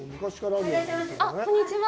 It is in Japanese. こんにちは。